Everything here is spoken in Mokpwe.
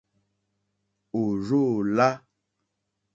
Ò rzô lá.